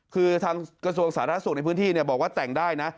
คือทางกระทรวงสาธารณสุขในพื้นที่บอกว่าแต่งได้นะ